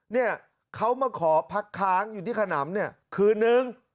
เนี่ยเขามาขอพักค้างอยู่ที่ขนำเนี่ยคืนนึง